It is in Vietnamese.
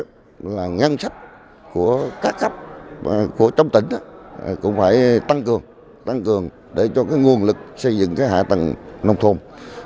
một mặt đó là ngăn sách của các cấp trong tỉnh cũng phải tăng cường để cho nguồn lực xây dựng hạ tầng nông thôn